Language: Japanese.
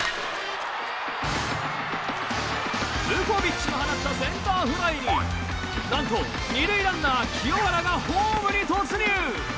ブコビッチの放ったセンターフライになんと２塁ランナー清原がホームに突入！